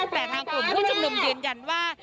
แต่ทางกลุ่มผู้ชุมนุมยืนยันว่า